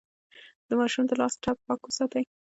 د ماشوم د لاس ټپ پاک وساتئ.